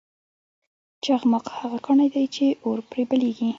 چخماق هغه کاڼی دی چې اور پرې بلیږي.